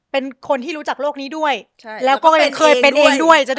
เป็นคนที่รู้จักโลกนี้ด้วยแล้วก็เคยเป็นเองด้วย